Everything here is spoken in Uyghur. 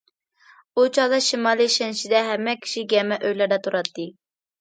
ئۇ چاغدا شىمالىي شەنشىدە ھەممە كىشى گەمە ئۆيلەردە تۇراتتى.